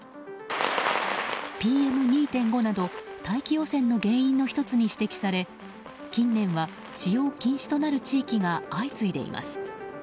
ＰＭ２．５など大気汚染の原因の１つに指摘され近年は使用禁止となる地域が相次いでいます。